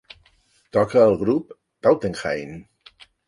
Toca el grup Tautenhayn!